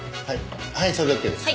はいそれでＯＫです。